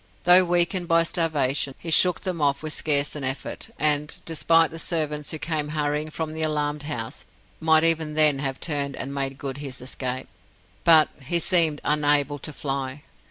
Though weakened by starvation, he shook them off with scarce an effort, and, despite the servants who came hurrying from the alarmed house, might even then have turned and made good his escape. But he seemed unable to fly.